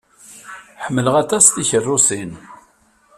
Ḥemmleɣ aṭas tikeṛṛusin.